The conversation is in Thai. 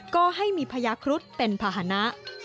ก็ให้มีพญาครุฑเป็นภาษณะ